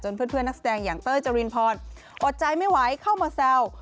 เพื่อนนักแสดงอย่างเต้ยจรินพรอดใจไม่ไหวเข้ามาแซว